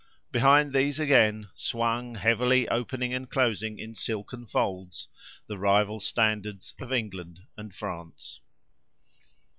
Behind these again swung, heavily opening and closing in silken folds, the rival standards of England and France.